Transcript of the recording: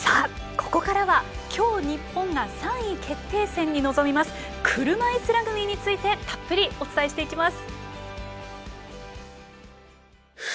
ここからは今日日本が３位決定戦に臨みます車いすラグビーについてたっぷりお伝えしていきます。